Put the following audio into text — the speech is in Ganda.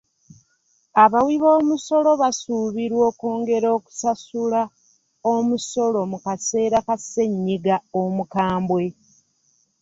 Abawi b'omusolo basuubirwa okwongera okusasula omusolo mu kaseera ka ssennyiga omukambwe.